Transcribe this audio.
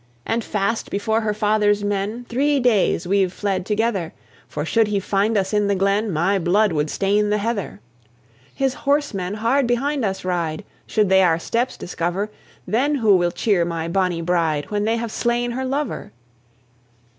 "And fast before her father's men Three days we've fled together, For should he find us in the glen, My blood would stain the heather. "His horsemen hard behind us ride; Should they our steps discover, Then who will cheer my bonny bride When they have slain her lover?"